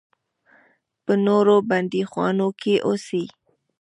په نورو بندیخانو کې اوسي.